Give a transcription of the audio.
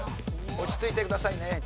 落ち着いてくださいね。